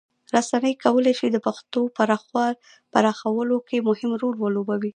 رسنۍ کولی سي د پښتو پراخولو کې مهم رول ولوبوي.